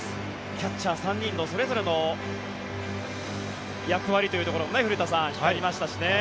キャッチャー３人のそれぞれの役割というところも古田さん、光りましたしね。